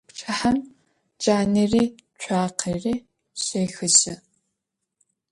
Пчыхьэм джанэри цуакъэри щехыжьы.